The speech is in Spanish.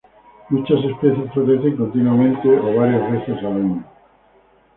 Muchas especies florecen continuamente o varias veces al año.